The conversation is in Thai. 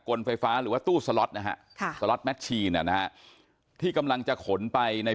ลไฟฟ้าหรือว่าตู้สล็อตนะฮะสล็อตแมชชีเนี่ยนะฮะที่กำลังจะขนไปใน